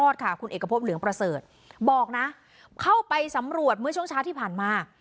คุณเอกพบเหลืองประเสริฐบอกนะเข้าไปสำรวจเมื่อช่วงเช้าที่ผ่านมา